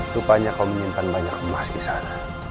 rupanya kau menyimpan banyak emas di sana